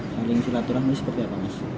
saling silaturahmi seperti apa mas